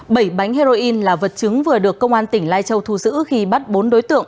bảy bánh heroin là vật chứng vừa được công an tỉnh lai châu thu giữ khi bắt bốn đối tượng